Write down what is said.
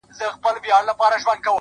سیاه پوسي ده؛ مرگ خو یې زوی دی؛